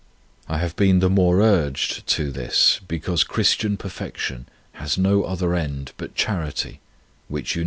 I have been the more urged to this, because Christian perfection has no other end but charity, which unites us to God.